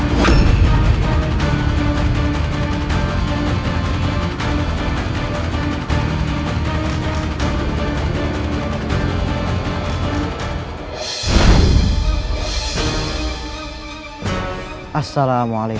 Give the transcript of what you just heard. aku harapi mereka semua teku satu